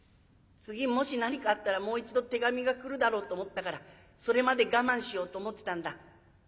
次もし何かあったらもう一度手紙が来るだろうと思ったからそれまで我慢しようと思ってたんだ。